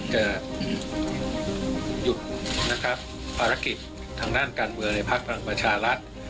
จะหยุดนะครับภารกิจทางด้านการเมืองในพักพลังประชารัฐ